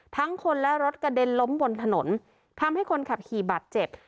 ทั้งคนและรถกระเด็นล้มบนถนนทำให้คนขับขี่บาดเจ็บ